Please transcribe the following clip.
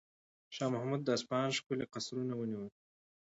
شاه محمود د اصفهان ښکلي قصرونه ونیول.